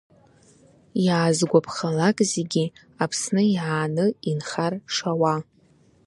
Иаазгәаԥхалак зегьы Аԥсны иааны инхар шауа.